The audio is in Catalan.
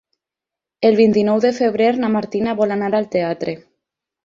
El vint-i-nou de febrer na Martina vol anar al teatre.